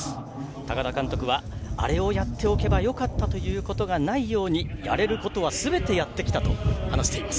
高田監督はあれをやっておけばよかったということがないようにやれることはすべてやってきたと話しています。